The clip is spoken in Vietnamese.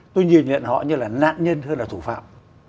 tôi nhìn nhận họ như là nạn nhân hơn là thủ phạm